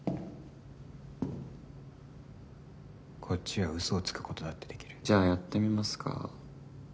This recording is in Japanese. こっちは嘘をつくことだってできるじゃあやってみますか？